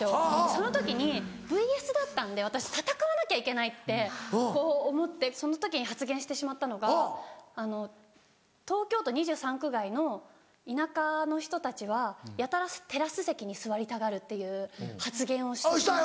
その時にｖｓだったんで私戦わなきゃいけないってこう思ってその時に発言してしまったのが東京都２３区外の田舎の人たちはやたらテラス席に座りたがるっていう発言をしてしまって。